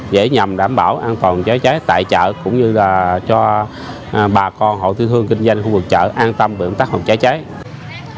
để nhằm đảm bảo an toàn cháy cháy tại chợ cũng như là cho bà con hộ tư thương kinh doanh khu vực chợ an tâm về công tác hàng hóa cháy cháy